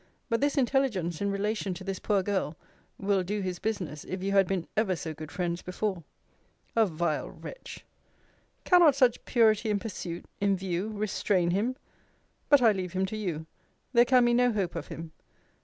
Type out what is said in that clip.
But this intelligence, in relation to this poor girl, will do his business, if you had been ever so good friends before. A vile wretch! Cannot such purity in pursuit, in view, restrain him? but I leave him to you! There can be no hope of him.